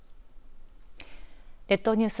列島ニュース